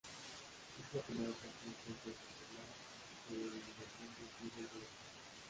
Es la primera ocasión que un profesional de la iluminación recibe el galardón.